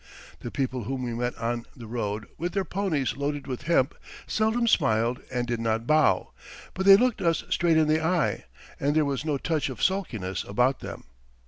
The people whom we met on the road with their ponies loaded with hemp seldom smiled and did not bow, but they looked us straight in the eye, and there was no touch of sulkiness about them.